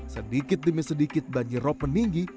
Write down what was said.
sedikit demi sedikit banjir rop meninggi